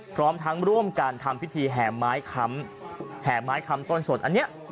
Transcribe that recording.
พร้อมทั้งร่่วมกันทำพิธีแห่มไม้คำต้นสดนี้